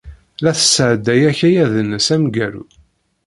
La tesɛedday akayad-nnes ameggaru.